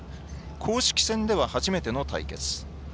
公式戦では初めての対決。